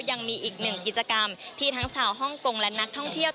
ยังมีอีกหนึ่งกิจกรรมที่ทั้งชาวฮ่องกงและนักท่องเที่ยว